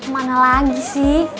mana lagi sih